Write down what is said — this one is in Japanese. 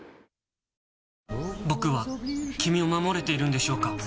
僕は君を守れているんでしょうか？